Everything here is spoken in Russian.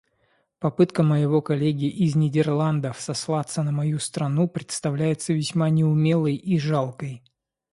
Попытка моего коллеги из Нидерландов сослаться на мою страну представляется весьма неумелой и жалкой.